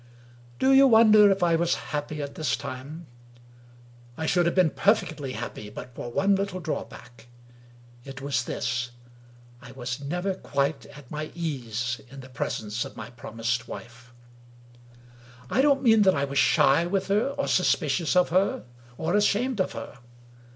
Do you wonder if I was happy at this time? I should have been perfectly happy but for one little drawback. It was this : I was never quite at my ease in the presence of my promised wife. ^3 English Mystery Stories I don't mean that I was shy with her, or suspicious of her, or ashamed of her.